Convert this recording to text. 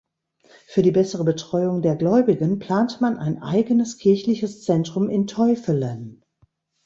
Für die bessere Betreuung der Gläubigen plante man ein eigenes kirchliches Zentrum in Täuffelen.